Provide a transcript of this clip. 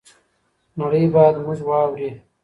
نړۍ بايد موږ واوري.